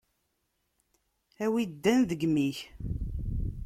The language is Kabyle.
A wi iddan deg imi-k!